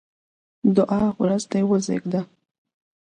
دوعا: وزر دې وزېږده!